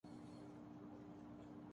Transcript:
وہ بندر ہے